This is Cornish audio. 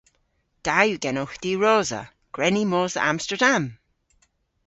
Da yw genowgh diwrosa. Gwren ni mos dhe Amsterdam!